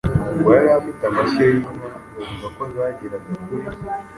ngo yari afite amashyo y’inka, bavuga ko zageraga kuri